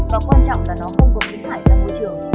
và quan trọng là nó không gồm những hải sản môi trường